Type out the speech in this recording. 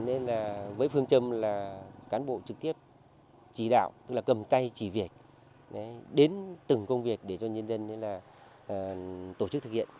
nên là với phương châm là cán bộ trực tiếp chỉ đạo tức là cầm tay chỉ việc đến từng công việc để cho nhân dân nên là tổ chức thực hiện